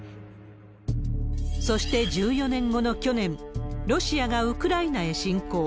そして１４年後の去年、ロシアがウクライナへ侵攻。